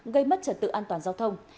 gây mất trật tự an toàn giao thông